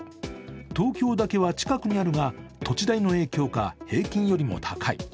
東京だけは近くにあるが土地代の影響か平均よりも高い。